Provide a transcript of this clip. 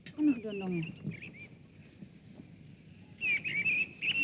kalo gak ada onongnya